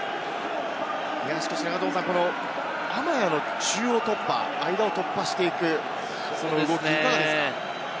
しかし、アマヤの中央突破、間を突破していく、その動きいかがですか？